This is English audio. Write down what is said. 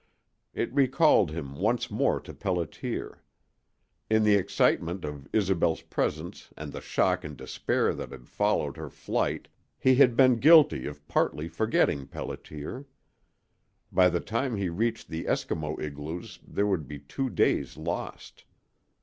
It recalled him once more to Pelliter. In the excitement of Isobel's presence and the shock and despair that had followed her flight he had been guilty of partly forgetting Pelliter. By the time he reached the Eskimo igloos there would be two days lost.